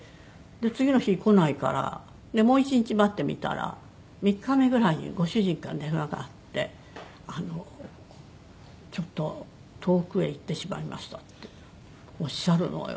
次の日こないからもう１日待ってみたら３日目ぐらいにご主人から電話があって「ちょっと遠くへいってしまいました」っておっしゃるのよ。